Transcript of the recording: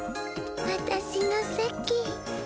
わたしのせき。